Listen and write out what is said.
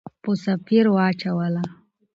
په سفیر واچوله.